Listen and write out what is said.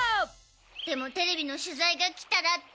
でもテレビの取材が来たらって。